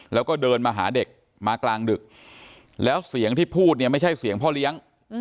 แล้วก็เดินมาหาเด็กมากลางดึกแล้วเสียงที่พูดเนี่ยไม่ใช่เสียงพ่อเลี้ยง